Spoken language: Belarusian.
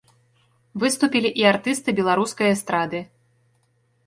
Выступілі і артысты беларускай эстрады.